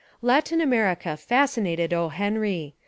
Latin America fascinated O. Henry.